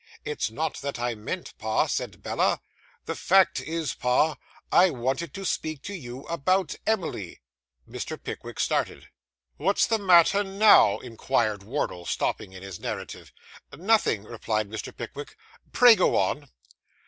"It's not that I meant, pa," said Bella. "The fact is, pa, I wanted to speak to you about Emily."' Mr. Pickwick started. 'What's the matter now?' inquired Wardle, stopping in his narrative. 'Nothing,' replied Mr. Pickwick. 'Pray go on.